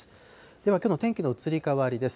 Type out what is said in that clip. ではきょうの天気の移り変わりです。